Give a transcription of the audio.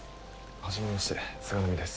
初めまして菅波です。